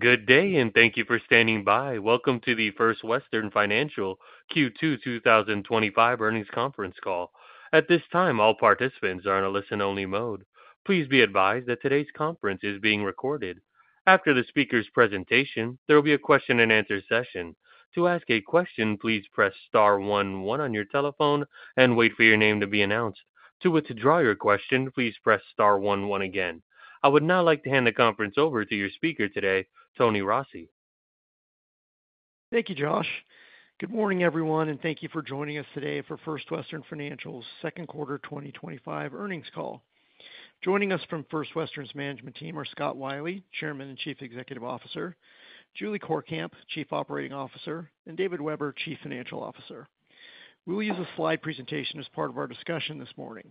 Good day, and thank you for standing by. Welcome to the First Western Financial Q2 2025 earnings conference call. At this time, all participants are in a listen-only mode. Please be advised that today's conference is being recorded. After the speaker's presentation, there will be a question-and-answer session. To ask a question, please press star one one on your telephone and wait for your name to be announced. To withdraw your question, please press star one one again. I would now like to hand the conference over to your speaker today, Tony Rossi. Thank you, Josh. Good morning, everyone, and thank you for joining us today for First Western Financial's second quarter 2025 earnings call. Joining us from First Western's management team are Scott Wylie, Chairman and Chief Executive Officer, Julie Courkamp, Chief Operating Officer, and David Weber, Chief Financial Officer. We will use a slide presentation as part of our discussion this morning.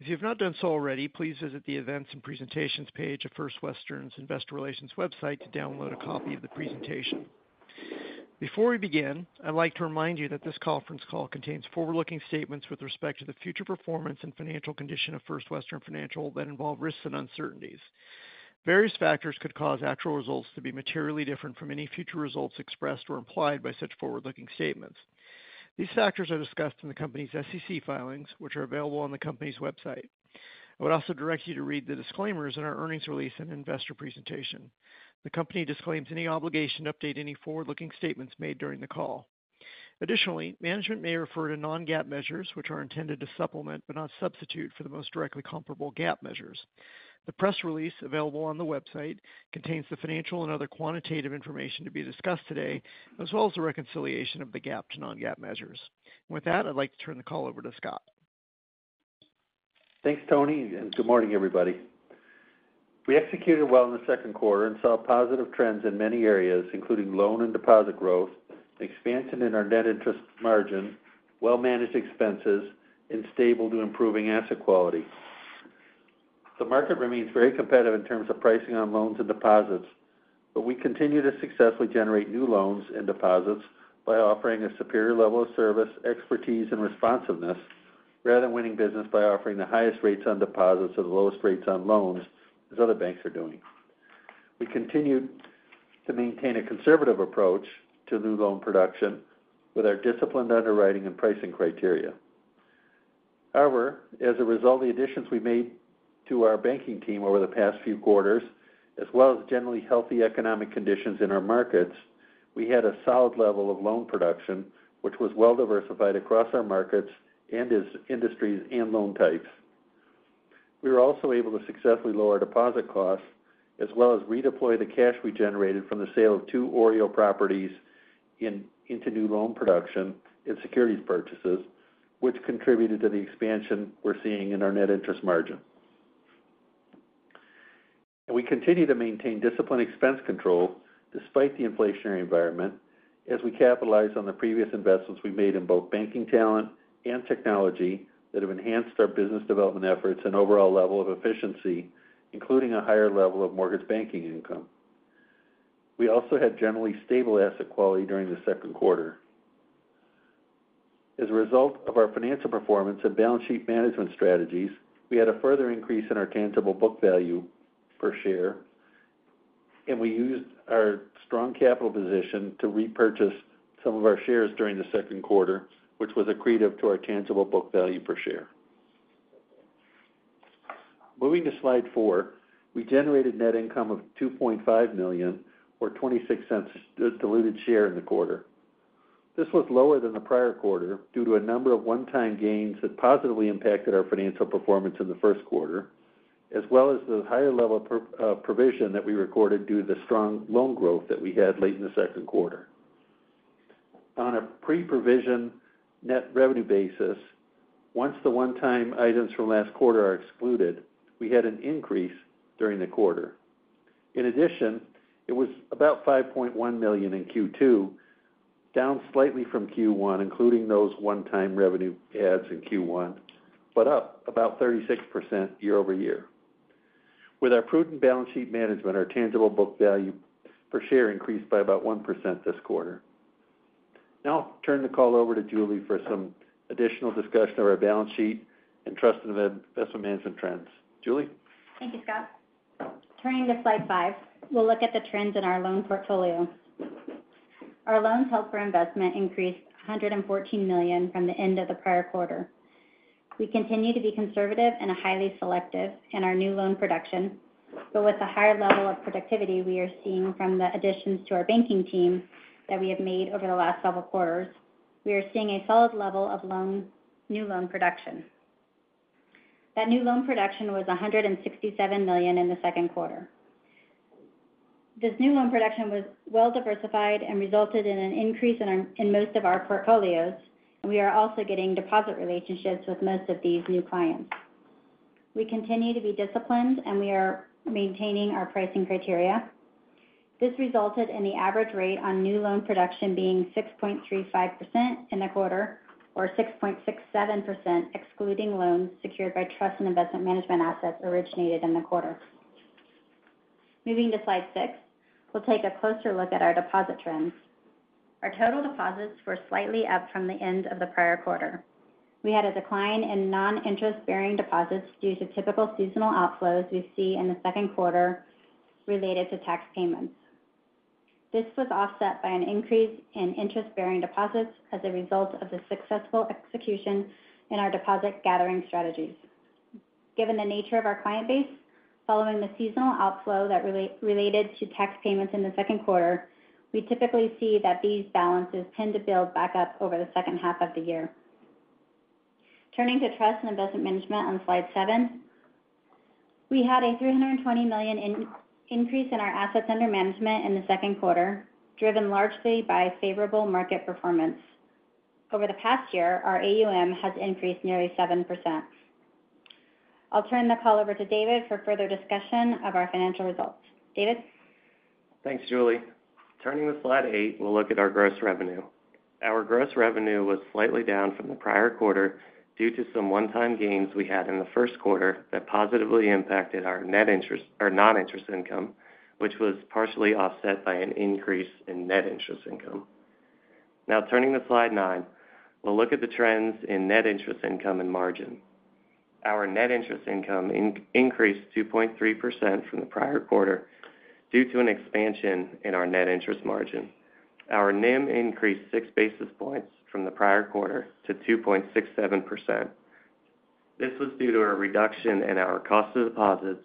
If you have not done so already, please visit the events and presentations page of First Western's Investor Relations website to download a copy of the presentation. Before we begin, I'd like to remind you that this conference call contains forward-looking statements with respect to the future performance and financial condition of First Western Financial that involve risks and uncertainties. Various factors could cause actual results to be materially different from any future results expressed or implied by such forward-looking statements. These factors are discussed in the company's SEC filings, which are available on the company's website. I would also direct you to read the disclaimers in our earnings release and investor presentation. The company disclaims any obligation to update any forward-looking statements made during the call. Additionally, management may refer to non-GAAP measures, which are intended to supplement but not substitute for the most directly comparable GAAP measures. The press release available on the website contains the financial and other quantitative information to be discussed today, as well as the reconciliation of the GAAP to non-GAAP measures. With that, I'd like to turn the call over to Scott. Thanks, Tony, and good morning, everybody. We executed well in the second quarter and saw positive trends in many areas, including loan and deposit growth, expansion in our net interest margin, well-managed expenses, and stable to improving asset quality. The market remains very competitive in terms of pricing on loans and deposits, but we continue to successfully generate new loans and deposits by offering a superior level of service, expertise, and responsiveness, rather than winning business by offering the highest rates on deposits or the lowest rates on loans, as other banks are doing. We continue to maintain a conservative approach to new loan production with our disciplined underwriting and pricing criteria. However, as a result of the additions we made to our banking team over the past few quarters, as well as generally healthy economic conditions in our markets, we had a solid level of loan production, which was well-diversified across our markets, industries, and loan types. We were also able to successfully lower deposit costs, as well as redeploy the cash we generated from the sale of two OREO properties into new loan production and securities purchases, which contributed to the expansion we're seeing in our net interest margin. We continue to maintain disciplined expense control despite the inflationary environment, as we capitalize on the previous investments we made in both banking talent and technology that have enhanced our business development efforts and overall level of efficiency, including a higher level of mortgage banking income. We also had generally stable asset quality during the second quarter. As a result of our financial performance and balance sheet management strategies, we had a further increase in our tangible book value per share, and we used our strong capital position to repurchase some of our shares during the second quarter, which was accretive to our tangible book value per share. Moving to slide four, we generated net income of $2.5 million, or $0.26 diluted share in the quarter. This was lower than the prior quarter due to a number of one-time gains that positively impacted our financial performance in the first quarter, as well as the higher level of provision that we recorded due to the strong loan growth that we had late in the second quarter. On a pre-provision net revenue basis, once the one-time items from last quarter are excluded, we had an increase during the quarter. In addition, it was about $5.1 million in Q2, down slightly from Q1, including those one-time revenue adds in Q1, but up about 36% year-over-year. With our prudent balance sheet management, our tangible book value per share increased by about 1% this quarter. Now I'll turn the call over to Julie for some additional discussion of our balance sheet and trust and investment management trends. Julie? Thank you, Scott. Turning to slide five, we'll look at the trends in our loan portfolio. Our loans held for investment increased $114 million from the end of the prior quarter. We continue to be conservative and highly selective in our new loan production, but with the higher level of productivity we are seeing from the additions to our banking team that we have made over the last several quarters, we are seeing a solid level of new loan production. That new loan production was $167 million in the second quarter. This new loan production was well-diversified and resulted in an increase in most of our portfolios, and we are also getting deposit relationships with most of these new clients. We continue to be disciplined, and we are maintaining our pricing criteria. This resulted in the average rate on new loan production being 6.35% in the quarter, or 6.67% excluding loans secured by trust and investment management assets originated in the quarter. Moving to slide six, we'll take a closer look at our deposit trends. Our total deposits were slightly up from the end of the prior quarter. We had a decline in non-interest bearing deposits due to typical seasonal outflows we see in the second quarter related to tax payments. This was offset by an increase in interest-bearing deposits as a result of the successful execution in our deposit gathering strategies. Given the nature of our client base, following the seasonal outflow that related to tax payments in the second quarter, we typically see that these balances tend to build back up over the second half of the year. Turning to trust and investment management on slide seven, we had a $320 million increase in our assets under management in the second quarter, driven largely by favorable market performance. Over the past year, our AUM has increased nearly 7%. I'll turn the call over to David for further discussion of our financial results. David? Thanks, Julie. Turning to slide eight, we'll look at our gross revenue. Our gross revenue was slightly down from the prior quarter due to some one-time gains we had in the first quarter that positively impacted our net interest or non-interest income, which was partially offset by an increase in net interest income. Now, turning to slide nine, we'll look at the trends in net interest income and margin. Our net interest income increased 2.3% from the prior quarter due to an expansion in our net interest margin. Our NIM increased 6 basis points from the prior quarter to 2.67%. This was due to a reduction in our cost of deposits,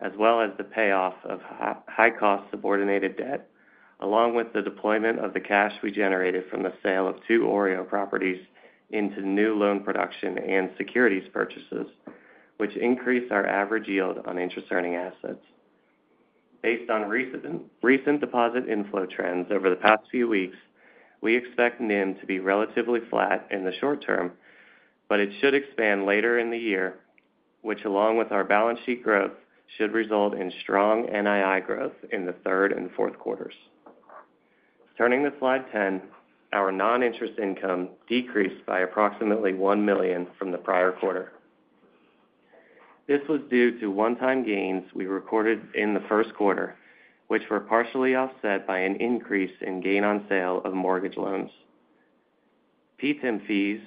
as well as the payoff of high-cost subordinated debt, along with the deployment of the cash we generated from the sale of two OREO properties into new loan production and securities purchases, which increased our average yield on interest-earning assets. Based on recent deposit inflow trends over the past few weeks, we expect NIM to be relatively flat in the short term, but it should expand later in the year, which, along with our balance sheet growth, should result in strong NII growth in the third and fourth quarters. Turning to slide ten, our non-interest income decreased by approximately $1 million from the prior quarter. This was due to one-time gains we recorded in the first quarter, which were partially offset by an increase in gain on sale of mortgage loans. PTIM fees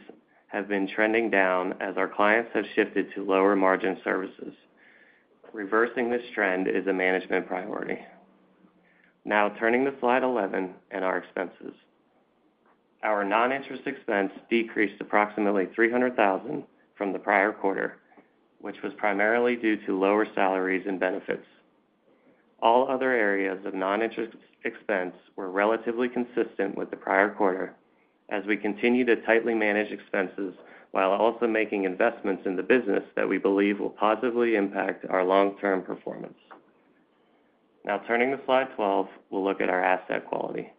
have been trending down as our clients have shifted to lower margin services. Reversing this trend is a management priority. Now, turning to slide 11 and our expenses. Our non-interest expense decreased approximately $300,000 from the prior quarter, which was primarily due to lower salaries and benefits. All other areas of non-interest expense were relatively consistent with the prior quarter, as we continue to tightly manage expenses while also making investments in the business that we believe will positively impact our long-term performance. Now, turning to slide 12, we'll look at our asset quality.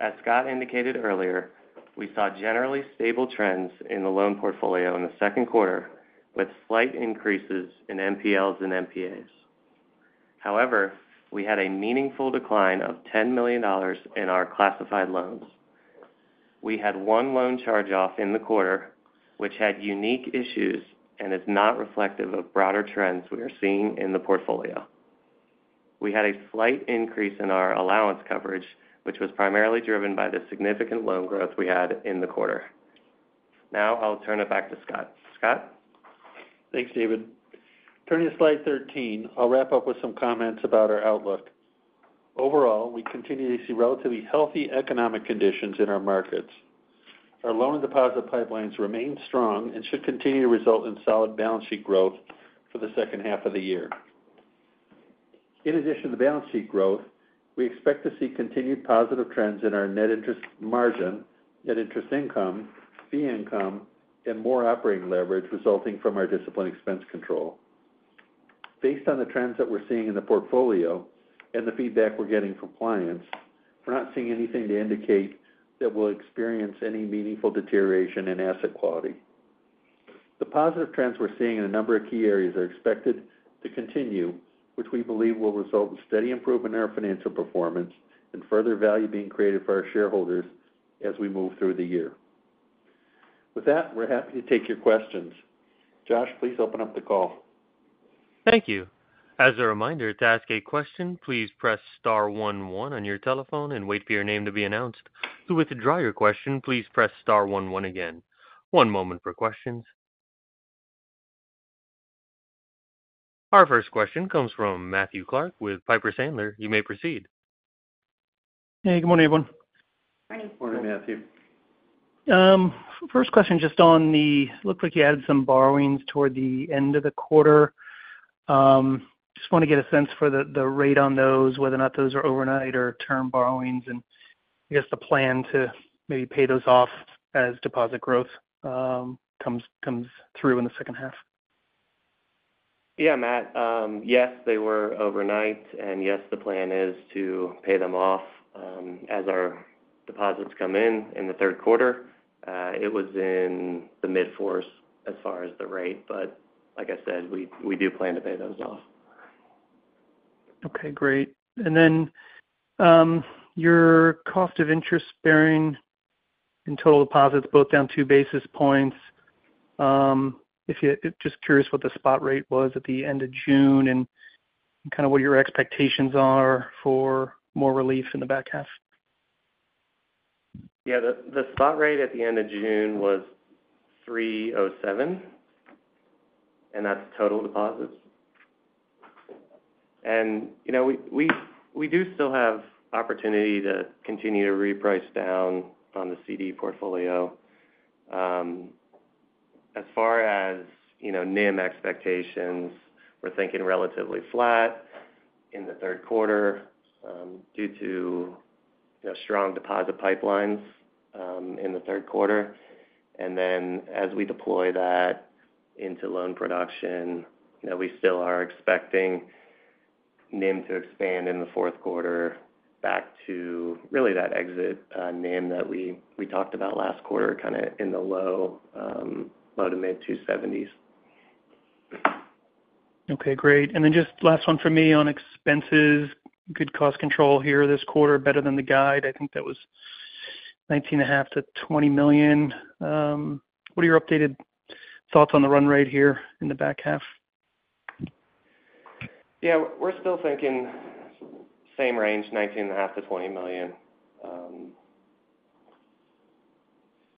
As Scott indicated earlier, we saw generally stable trends in the loan portfolio in the second quarter, with slight increases in NPLs and NPAs. However, we had a meaningful decline of $10 million in our classified loans. We had one loan charge-off in the quarter, which had unique issues and is not reflective of broader trends we are seeing in the portfolio. We had a slight increase in our allowance coverage, which was primarily driven by the significant loan growth we had in the quarter. Now, I'll turn it back to Scott. Scott? Thanks, David. Turning to slide 13, I'll wrap up with some comments about our outlook. Overall, we continue to see relatively healthy economic conditions in our markets. Our loan and deposit pipelines remain strong and should continue to result in solid balance sheet growth for the second half of the year. In addition to balance sheet growth, we expect to see continued positive trends in our net interest margin, net interest income, fee income, and more operating leverage resulting from our disciplined expense control. Based on the trends that we're seeing in the portfolio and the feedback we're getting from clients, we're not seeing anything to indicate that we'll experience any meaningful deterioration in asset quality. The positive trends we're seeing in a number of key areas are expected to continue, which we believe will result in steady improvement in our financial performance and further value being created for our shareholders as we move through the year. With that, we're happy to take your questions. Josh, please open up the call. Thank you. As a reminder, to ask a question, please press star one one on your telephone and wait for your name to be announced. To withdraw your question, please press star one one again. One moment for questions. Our first question comes from Matthew Clark with Piper Sandler. You may proceed. Hey, good morning, everyone. Morning. Morning, Matthew. First question just on the, it looks like you added some borrowings toward the end of the quarter. Just want to get a sense for the rate on those, whether or not those are overnight or term borrowings, and the plan to maybe pay those off as deposit growth comes through in the second half. Yeah, Matt. Yes, they were overnight, and yes, the plan is to pay them off as our deposits come in in the third quarter. It was in the mid-fourth as far as the rate, but like I said, we do plan to pay those off. Okay, great. Your cost of interest bearing and total deposits both down 2 basis points. I'm just curious what the spot rate was at the end of June and kind of what your expectations are for more reliefs in the back half? Yeah, the spot rate at the end of June was 3.07%, and that's total deposits. We do still have the opportunity to continue to reprice down on the CD portfolio. As far as NIM expectations, we're thinking relatively flat in the third quarter due to strong deposit pipelines in the third quarter. As we deploy that into loan production, we still are expecting NIM to expand in the fourth quarter back to really that exit NIM that we talked about last quarter, kind of in the low to mid-2.70s. Okay, great. Just last one from me on expenses. Good cost control here this quarter, better than the guide. I think that was $19.5-$20 million. What are your updated thoughts on the run rate here in the back half? Yeah, we're still thinking same range, $19.5-$20 million.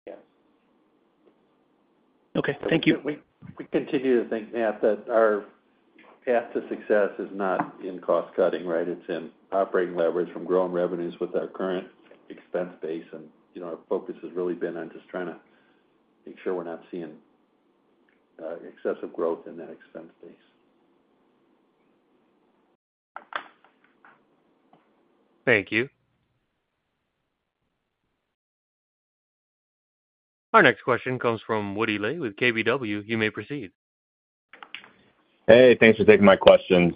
Yeah. Okay, thank you. We continue to think that our path to success is not in cost cutting, right? It's in operating leverage from growing revenues with our current expense base, and our focus has really been on just trying to make sure we're not seeing excessive growth in that expense base. Thank you. Our next question comes from Woody Lee with KBW. You may proceed. Hey, thanks for taking my questions.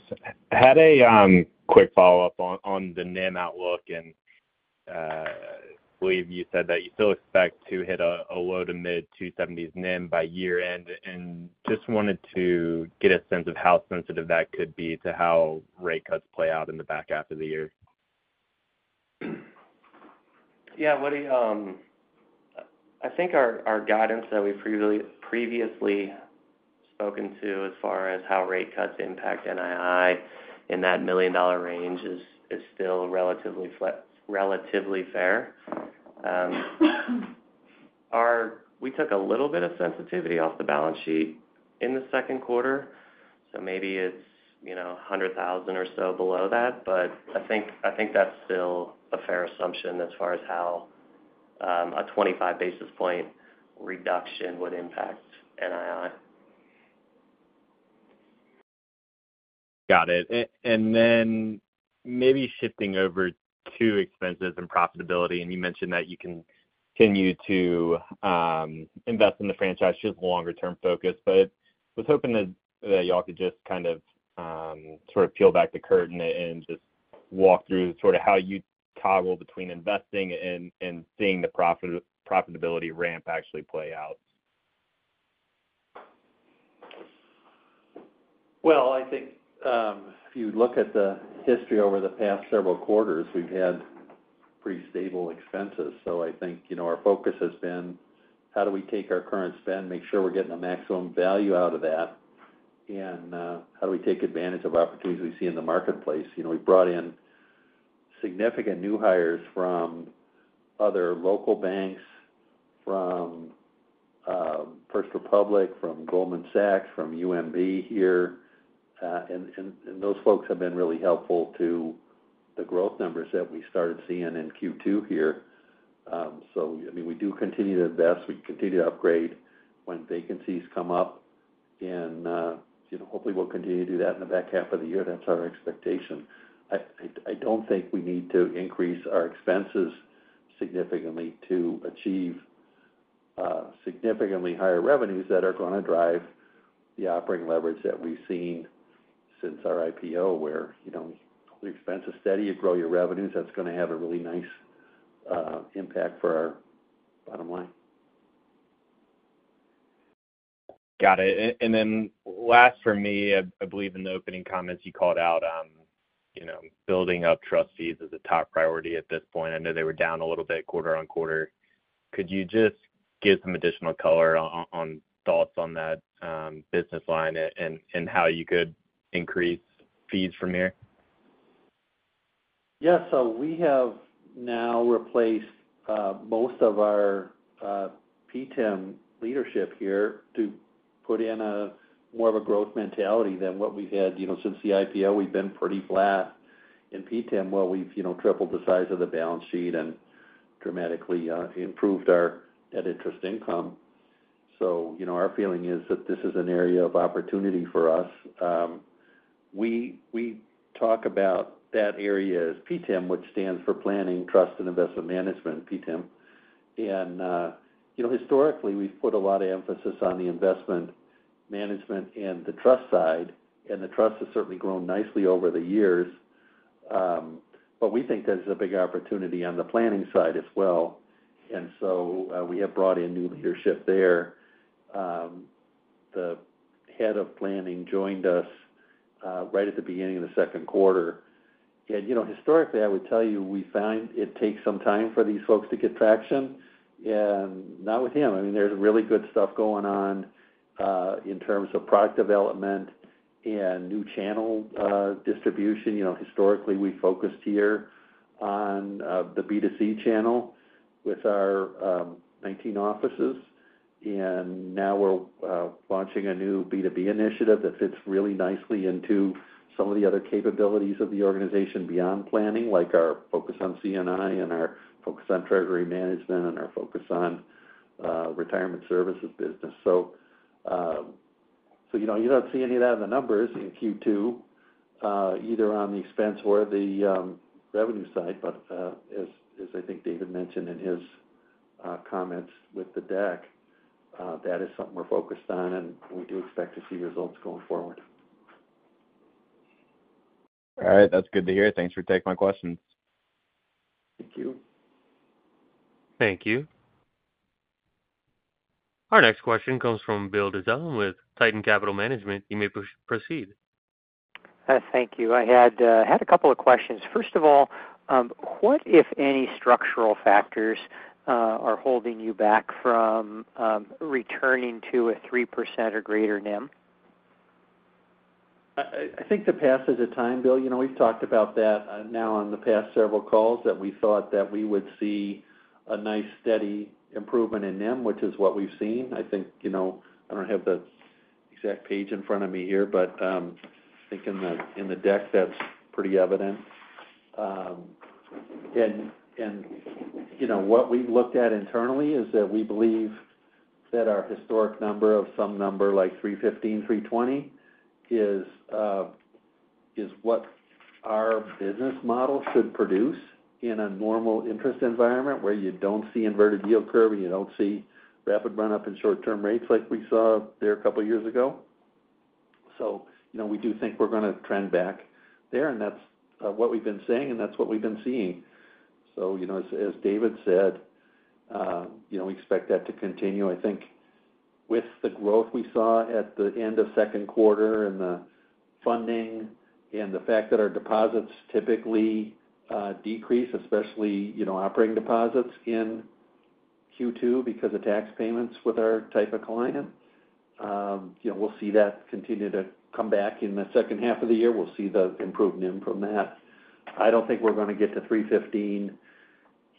Had a quick follow-up on the NIM outlook, and I believe you said that you still expect to hit a low to mid-2.70s NIM by year end, and just wanted to get a sense of how sensitive that could be to how rate cuts play out in the back half of the year. Yeah, Woody, I think our guidance that we've previously spoken to as far as how rate cuts impact NII in that $1 million range is still relatively fair. We took a little bit of sensitivity off the balance sheet in the second quarter, so maybe it's $100,000 or so below that, but I think that's still a fair assumption as far as how a 25 basis points reduction would impact NII. Got it. Maybe shifting over to expenses and profitability, you mentioned that you can continue to invest in the franchise through the longer-term focus. I was hoping that y'all could just kind of sort of peel back the curtain and walk through how you toggle between investing and seeing the profitability ramp actually play out. If you look at the history over the past several quarters, we've had pretty stable expenses. I think our focus has been how do we take our current spend, make sure we're getting the maximum value out of that, and how do we take advantage of opportunities we see in the marketplace. We've brought in significant new hires from other local banks, from First Republic, from Goldman Sachs, from UMB here, and those folks have been really helpful to the growth numbers that we started seeing in Q2 here. We do continue to invest. We continue to upgrade when vacancies come up, and hopefully, we'll continue to do that in the back half of the year. That's our expectation. I don't think we need to increase our expenses significantly to achieve significantly higher revenues that are going to drive the operating leverage that we've seen since our IPO, where your expense is steady, you grow your revenues, that's going to have a really nice impact for our bottom line. Got it. Last for me, I believe in the opening comments you called out, you know, building up trust fees is a top priority at this point. I know they were down a little bit quarter on quarter. Could you just give some additional color on thoughts on that business line and how you could increase fees from there? Yeah, so we have now replaced most of our PTIM leadership here to put in more of a growth mentality than what we had. Since the IPO, we've been pretty flat in PTIM. We've tripled the size of the balance sheet and dramatically improved our net interest income. Our feeling is that this is an area of opportunity for us. We talk about that area as PTIM, which stands for Planning, Trust, and Investment Management, PTIM. Historically, we've put a lot of emphasis on the investment management and the trust side, and the trust has certainly grown nicely over the years. We think there's a big opportunity on the planning side as well, and we have brought in new leadership there. The Head of Planning joined us right at the beginning of the second quarter. Historically, I would tell you, we find it takes some time for these folks to get traction, and not with him. There's really good stuff going on in terms of product development and new channel distribution. Historically, we focused here on the B2C channel with our 19 offices, and now we're launching a new B2B initiative that fits really nicely into some of the other capabilities of the organization beyond planning, like our focus on CNI and our focus on treasury management and our focus on retirement services business. You don't see any of that in the numbers in Q2, either on the expense or the revenue side, but as I think David mentioned in his comments with the deck, that is something we're focused on, and we do expect to see results going forward. All right, that's good to hear. Thanks for taking my questions. Thank you. Thank you. Our next question comes from Bill Dezellem with Tieton Capital Management. You may proceed. Thank you. I had a couple of questions. First of all, what, if any, structural factors are holding you back from returning to a 3% or greater NIM? I think the path of the time, Bill, you know, we've talked about that now on the past several calls that we thought that we would see a nice steady improvement in NIM, which is what we've seen. I think, you know, I don't have the exact page in front of me here, but I think in the deck that's pretty evident. What we've looked at internally is that we believe that our historic number of some number like 3.15, 3.20 is what our business model should produce in a normal interest environment where you don't see inverted yield curve and you don't see rapid run-up in short-term rates like we saw there a couple of years ago. We do think we're going to trend back there, and that's what we've been saying, and that's what we've been seeing. As David said, you know, we expect that to continue. I think with the growth we saw at the end of the second quarter and the funding and the fact that our deposits typically decrease, especially, you know, operating deposits in Q2 because of tax payments with our type of client, we'll see that continue to come back in the second half of the year. We'll see the improvement from that. I don't think we're going to get to 3.15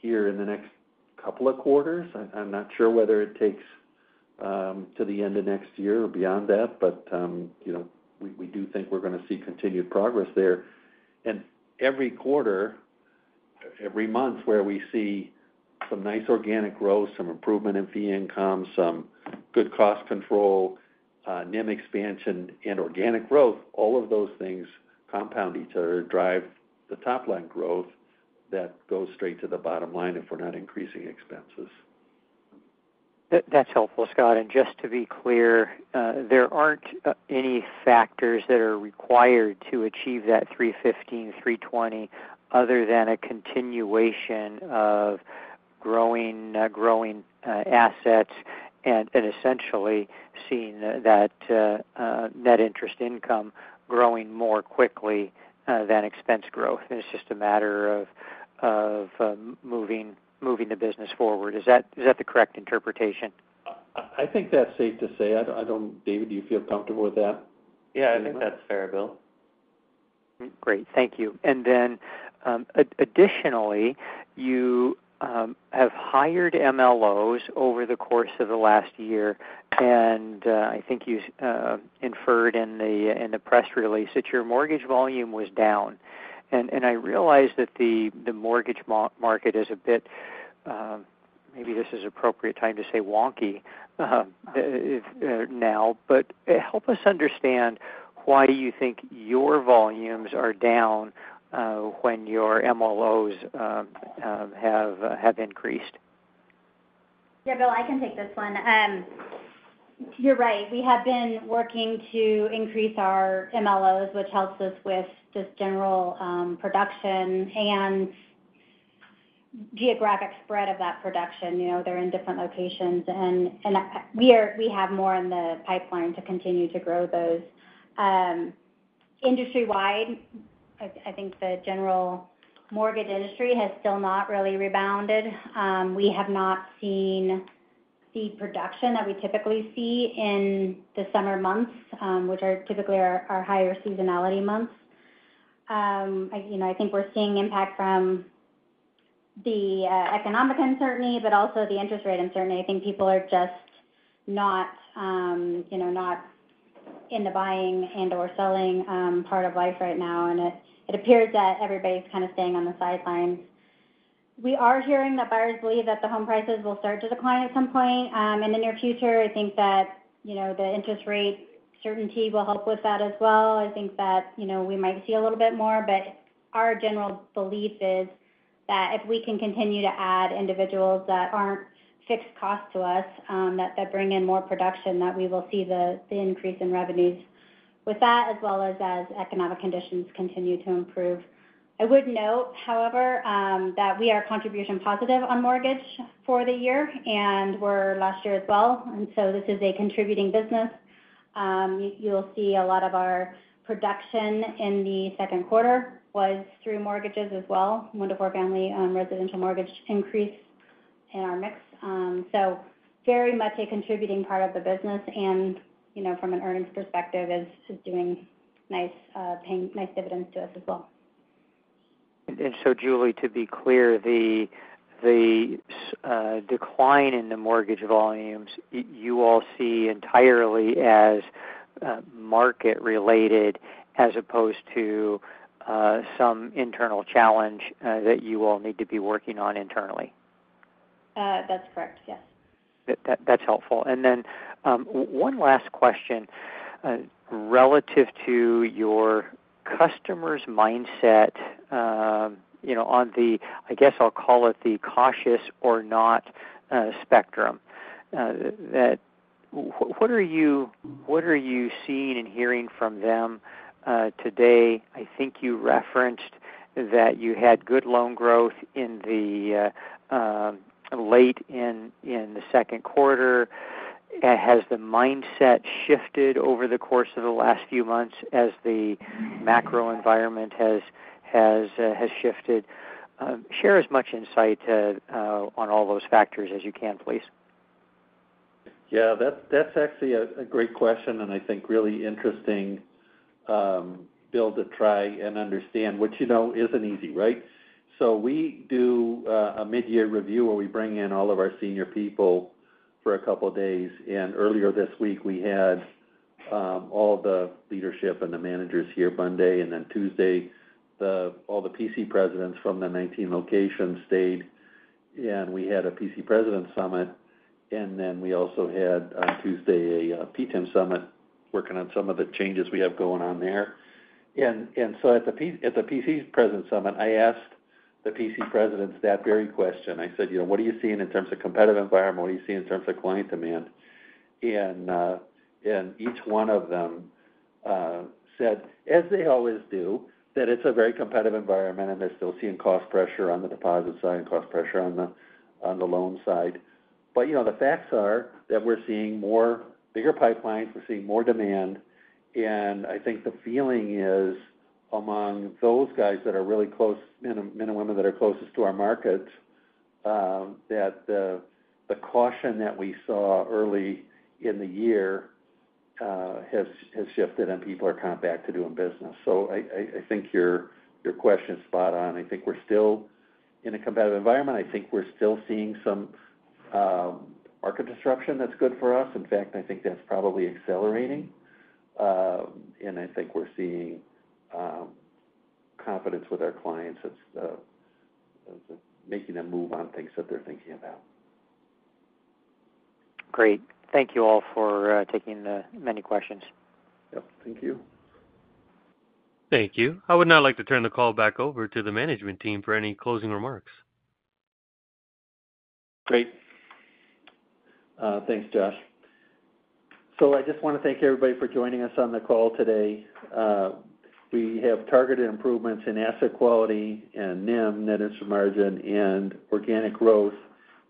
here in the next couple of quarters. I'm not sure whether it takes to the end of next year or beyond that, but you know, we do think we're going to see continued progress there. Every quarter, every month where we see some nice organic growth, some improvement in fee income, some good cost control, NIM expansion, and organic growth, all of those things compound each other, drive the top-line growth that goes straight to the bottom line if we're not increasing expenses. That's helpful, Scott. Just to be clear, there aren't any factors that are required to achieve that 3.15, 3.20 other than a continuation of growing assets and essentially seeing that net interest income growing more quickly than expense growth. It's just a matter of moving the business forward. Is that the correct interpretation? I think that's safe to say. I don't, David, do you feel comfortable with that? Yeah, I think that's fair, Bill. Great, thank you. Additionally, you have hired MLOs over the course of the last year, and I think you inferred in the press release that your mortgage volume was down. I realize that the mortgage market is a bit, maybe this is appropriate time to say wonky now, but help us understand why you think your volumes are down when your MLOs have increased. Yeah, Bill, I can take this one. You're right. We have been working to increase our MLOs, which helps us with just general production and geographic spread of that production. They're in different locations, and we have more in the pipeline to continue to grow those. Industry-wide, I think the general mortgage industry has still not really rebounded. We have not seen the production that we typically see in the summer months, which are typically our higher seasonality months. I think we're seeing impact from the economic uncertainty, but also the interest rate uncertainty. I think people are just not in the buying and/or selling part-of-life right now, and it appears that everybody's kind of staying on the sidelines. We are hearing that buyers believe that the home prices will start to decline at some point in the near future. I think that the interest rate certainty will help with that as well. I think that we might see a little bit more, but our general belief is that if we can continue to add individuals that aren't fixed cost to us, that bring in more production, we will see the increase in revenues with that, as well as as economic conditions continue to improve. I would note, however, that we are contribution positive on mortgage for the year, and we were last year as well, and so this is a contributing business. You'll see a lot of our production in the second quarter was through mortgages as well. One to four family residential mortgage increase in our mix. Very much a contributing part of the business, and from an earnings perspective, it's doing nice, paying nice dividends to us as well. Julie, to be clear, the decline in the mortgage volumes, you all see entirely as market-related as opposed to some internal challenge that you all need to be working on internally? That's correct, yes. That's helpful. One last question relative to your customer's mindset, on the, I guess I'll call it the cautious or not spectrum. What are you seeing and hearing from them today? I think you referenced that you had good loan growth late in the second quarter. Has the mindset shifted over the course of the last few months as the macro environment has shifted? Share as much insight on all those factors as you can, please. Yeah, that's actually a great question, and I think really interesting, Bill, to try and understand, which you know isn't easy, right? We do a mid-year review where we bring in all of our senior people for a couple of days, and earlier this week, we had all the leadership and the managers here Monday, and then Tuesday, all the PC presidents from the 19 locations stayed, and we had a PC president summit. We also had Tuesday a PTIM summit working on some of the changes we have going on there. At the PC president summit, I asked the PC presidents that very question. I said, you know, what are you seeing in terms of competitive environment? What are you seeing in terms of client demand? Each one of them said, as they always do, that it's a very competitive environment, and they're still seeing cost pressure on the deposit side, cost pressure on the loan side. The facts are that we're seeing more bigger pipelines, we're seeing more demand, and I think the feeling is among those guys that are really close, men and women that are closest to our markets, that the caution that we saw early in the year has shifted, and people are kind of back to doing business. I think your question is spot-on. I think we're still in a competitive environment. I think we're still seeing some market disruption that's good for us. In fact, I think that's probably accelerating, and I think we're seeing confidence with our clients as to making them move on things that they're thinking about. Great. Thank you all for taking the many questions. Thank you. Thank you. I would now like to turn the call back over to the management team for any closing remarks. Great. Thanks, Josh. I just want to thank everybody for joining us on the call today. We have targeted improvements in asset quality and NIM, net interest margin, and organic growth.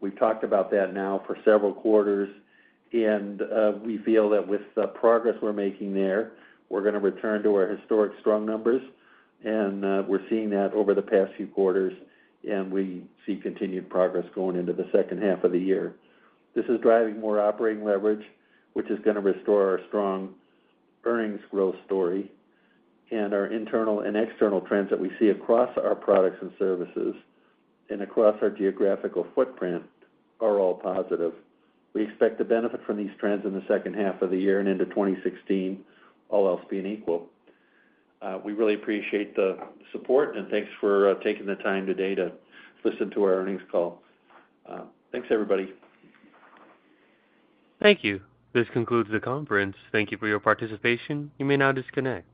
We've talked about that now for several quarters, and we feel that with the progress we're making there, we're going to return to our historic strong numbers. We're seeing that over the past few quarters, and we see continued progress going into the second half of the year. This is driving more operating leverage, which is going to restore our strong earnings growth story, and our internal and external trends that we see across our products and services and across our geographical footprint are all positive. We expect to benefit from these trends in the second half of the year and into 2016, all else being equal. We really appreciate the support, and thanks for taking the time today to listen to our earnings call. Thanks, everybody. Thank you. This concludes the conference. Thank you for your participation. You may now disconnect.